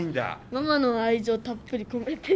ママの愛情たっぷり込めてる。